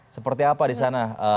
seperti apa di sana